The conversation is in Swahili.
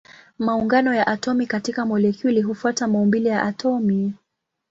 Maungano ya atomi katika molekuli hufuata maumbile ya atomi.